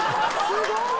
すごーい！